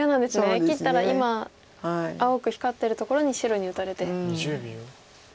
切ったら今青く光ってるところに白に打たれて。